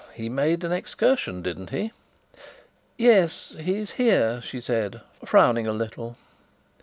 He made an excursion, didn't he?" "Yes, he is here," she said, frowning a little.